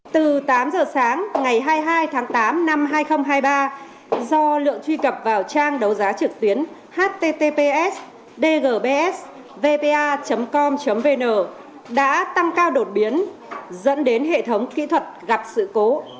từ tám giờ sáng ngày hai mươi hai tháng tám năm hai nghìn hai mươi ba do lượng truy cập vào trang đấu giá trực tuyến httpsdgbs vpa com vn đã tăng cao đột biến dẫn đến hệ thống kỹ thuật gặp sự cố